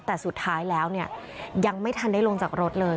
แต่สุดท้ายแล้วเนี่ยยังไม่ทันได้ลงจากรถเลย